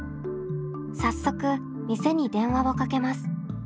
早速店に電話をかけます。